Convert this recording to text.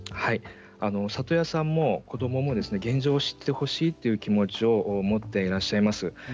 里親さんも子どもも現状を知ってほしいという気持ちを持っていらっしゃいます。